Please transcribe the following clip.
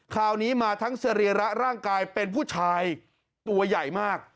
คราวนี้มาทั้งสรีระร่างกายเป็นผู้ชายตัวใหญ่มาก